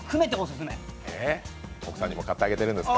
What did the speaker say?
奥さんにも買ってあげてるんですか？